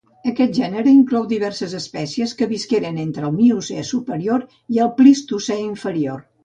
Aquest gènere inclou diverses espècies que visqueren entre el Miocè superior i el Plistocè inferior.